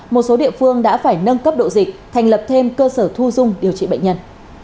một số địa phương đã phải nâng cấp độ dịch thành lập thêm cơ sở thu dung điều trị bệnh nhân